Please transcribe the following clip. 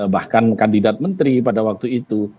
bahkan kandidat menteri pada waktu itu